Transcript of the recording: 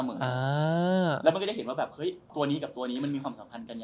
แล้วมันก็จะเห็นว่าตัวนี้กับตัวนี้มันมีความสัมพันธ์กันอย่างนี้